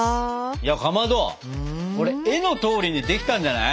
いやかまどこれ絵のとおりにできたんじゃない？